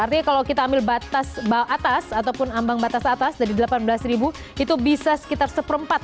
artinya kalau kita ambil batas atas ataupun ambang batas atas dari delapan belas itu bisa sekitar seperempat